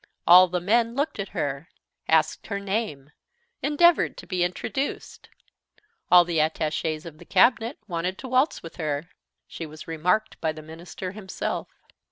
All the men looked at her, asked her name, endeavored to be introduced. All the attachés of the Cabinet wanted to waltz with her. She was remarked by the minister himself.